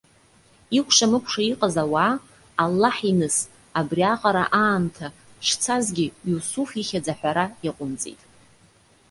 Икәша-мыкәша иҟаз ауаа, Аллаҳиныс, абриаҟара аамҭа шцазгьы Иусуф ихьӡ аҳәара иаҟәымҵит.